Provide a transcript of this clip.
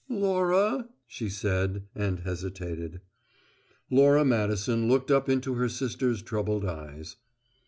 "Laura " she said, and hesitated. Laura Madison looked up into her sister's troubled eyes.